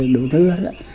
đủ thứ hết